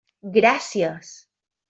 Gràcies!